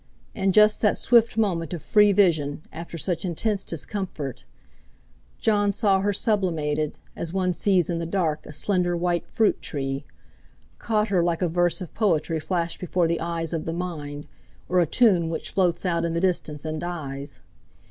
In just that swift moment of free vision, after such intense discomfort, Jon saw her sublimated, as one sees in the dark a slender white fruit tree; caught her like a verse of poetry flashed before the eyes of the mind, or a tune which floats out in the distance and dies.